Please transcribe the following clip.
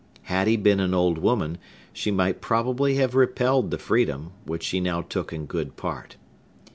Had he been an old woman, she might probably have repelled the freedom, which she now took in good part.